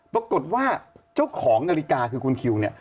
ปรากฏว่าเจ้าของนาฬิกาคือคุณคิวเนี่ย